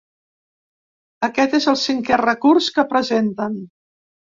Aquest és el cinquè recurs que presenten.